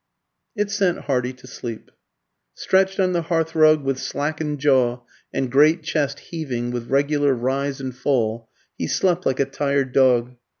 It sent Hardy to sleep. Stretched on the hearthrug, with slackened jaw, and great chest heaving with regular rise and fall, he slept like a tired dog.